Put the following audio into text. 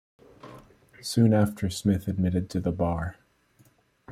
Soon after Smith admitted to the bar.